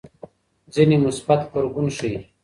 ځینې مثبت غبرګون ښيي.